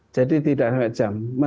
jadi tidak sampai jam